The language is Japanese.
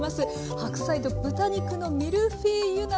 「白菜と豚肉のミルフィーユ鍋」